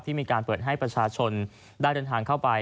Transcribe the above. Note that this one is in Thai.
มีการเปิดให้ประชาชนได้เดินทางเข้าไป